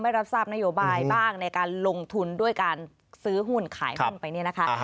รับทราบนโยบายบ้างในการลงทุนด้วยการซื้อหุ้นขายหุ้นไปเนี่ยนะคะ